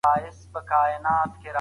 افغانستان کې دا توازن نشته.